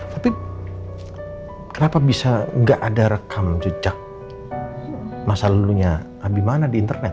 tapi kenapa bisa gak ada rekam jejak masa lulunya abimane di internet